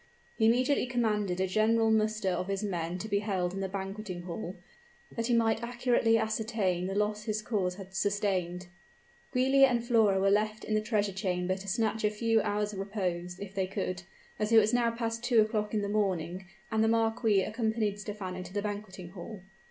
He immediately commanded a general muster of his men to be held in the banqueting hall, that he might accurately ascertain the loss his corps had sustained. Giulia and Flora were left in the treasure chamber to snatch a few hours' repose, if they could, as it was now past two o'clock in the morning, and the marquis accompanied Stephano to the banqueting hall.